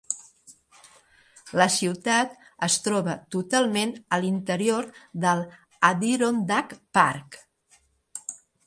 La ciutat es troba totalment a l'interior del Adirondack Park.